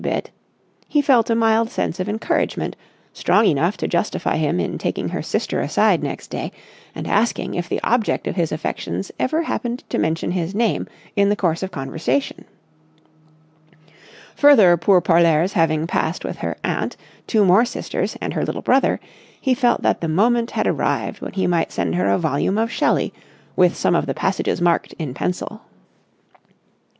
bit, he felt a mild sense of encouragement, strong enough to justify him in taking her sister aside next day and asking if the object of his affections ever happened to mention his name in the course of conversation. Further pour parlers having passed with her aunt, two more sisters, and her little brother, he felt that the moment had arrived when he might send her a volume of Shelley, with some of the passages marked in pencil.